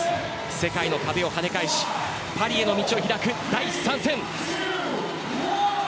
世界の壁をはね返しパリへの道を開く第３戦。